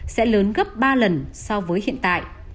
sẽ lớn gấp ba lần so với hiện tại